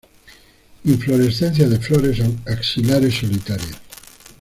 Inflorescencia de flores axilares solitarias.